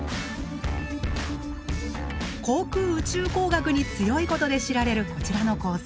航空宇宙工学に強いことで知られるこちらの高専。